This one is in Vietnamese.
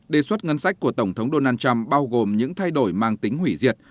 đề xuất ngân sách của tổng thống donald trump bao gồm những thay đổi mang tính hủy diệt